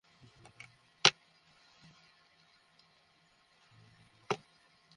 পর্যাপ্ত পরিমাণে নিরাপদ পানি সরবরাহ ছাড়া পরিস্থিতি নিয়ন্ত্রণ করা যাবে না।